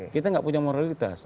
kita gak punya moralitas